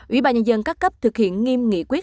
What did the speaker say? ủy ban nhân dân các cấp thực hiện nghiêm nghị quyết